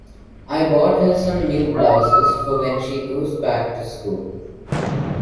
I bought her some new blouses for when she goes back to school.